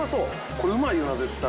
これうまいよな絶対。